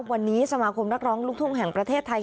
วันนี้สมาคมนักร้องลูกทุ่งแห่งประเทศไทย